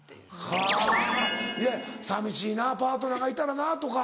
はぁいや「寂しいなパートナーがいたらな」とか。